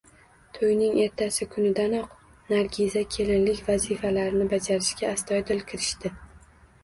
To`yning ertasi kunidanoq Nargiza kelinlik vazifalarini bajarishga astoydil kirishdi